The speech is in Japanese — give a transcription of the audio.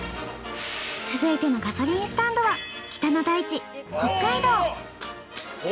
続いてのガソリンスタンドは北の大地。